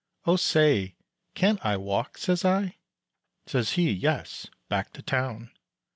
"Oh say, can't I walk?" says I. Says he, "Yes, back to town."